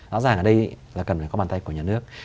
rõ ràng ở đây là cần phải có bàn tay của nhà nước